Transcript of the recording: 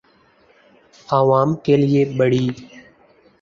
آعوام کے لئے بڑی